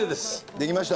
できました？